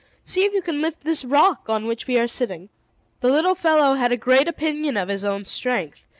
"See if you can lift this rock on which we are sitting?" The little fellow had a great opinion of his own strength.